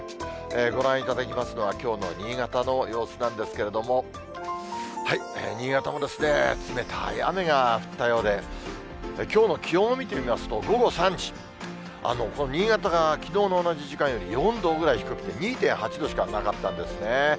ご覧いただきますのは、きょうの新潟の様子なんですけれども、新潟も冷たい雨が降ったようで、きょうの気温を見てみますと、午後３時、新潟がきのうの同じ時間より４度ぐらい低くて、２．８度しかなかったんですね。